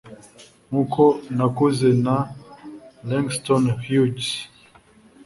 nkuko nakuze na langston hughes